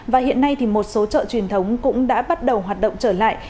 và hiện nay thì một số chợ truyền thống cũng đã bắt đầu hoạt động trở lại